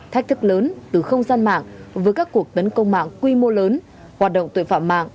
thách thức lớn từ không gian mạng với các cuộc tấn công mạng quy mô lớn hoạt động tội phạm mạng